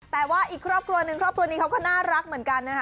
แต่ว่าอีกครอบครัวหนึ่งครอบครัวนี้เขาก็น่ารักเหมือนกันนะคะ